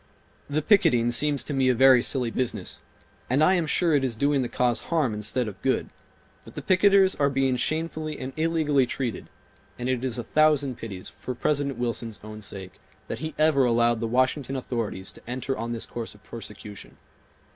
"The picketing seems to me a very silly business, and I am sure it is doing the cause harm instead of good; but the picketers are being shamefully and illegally treated, and it is a thousand pities, for President Wilson's own sake, that he ever allowed the Washington authorities to enter on this course of persecution.